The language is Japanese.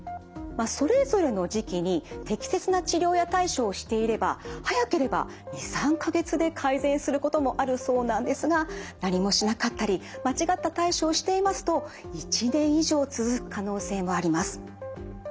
それぞれの時期に適切な治療や対処をしていれば早ければ２３か月で改善することもあるそうなんですが何もしなかったり間違った対処をしていますと１年以上続く可能性もあります。